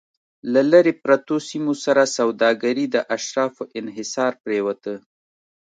له لرې پرتو سیمو سره سوداګري د اشرافو انحصار پرېوته